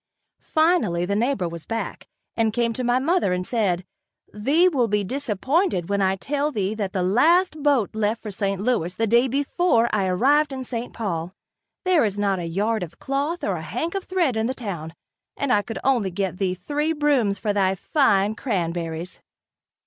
Finally the neighbor was back, and came to my mother and said: "Thee will be disappointed when I tell thee that the last boat left for St. Louis the day before I arrived in St. Paul. There is not a yard of cloth or a hank of thread in the town, and I could only get thee three brooms for thy fine cranberries."